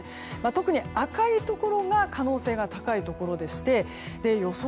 特に赤いところが可能性が高いところでして予想